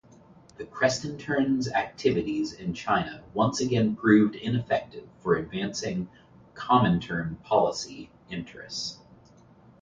The Krestintern's activities in China once again proved ineffective for advancing Comintern policy interests.